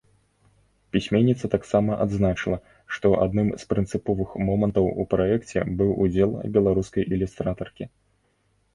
Пісьменніца таксама адзначыла, што адным з прынцыповых момантаў у праекце быў удзел беларускай ілюстратаркі.